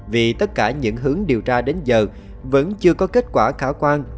vì tất cả những hướng điều tra đến giờ vẫn chưa có kết quả khả quan